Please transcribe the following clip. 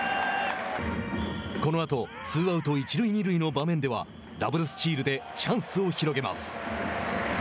このあとツーアウト、一塁二塁の場面ではダブルスチールでチャンスを広げます。